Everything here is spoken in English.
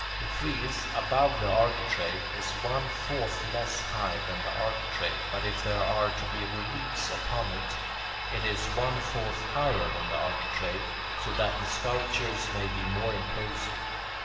The frieze, above the architrave, is one fourth less high than the architrave, but if there are to be reliefs upon it, it is one fourth higher than the architrave, so that the sculptures may be more imposing.